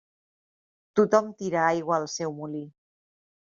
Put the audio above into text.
Tothom tira aigua al seu molí.